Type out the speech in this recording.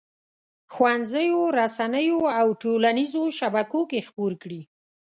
ښوونځیو، رسنیو او ټولنیزو شبکو کې خپور کړي.